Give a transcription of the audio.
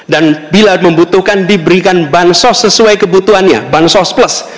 dan bila membutuhkan diberikan bansos sesuai kebutuhannya bansos plus